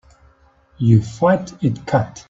You fight it cut.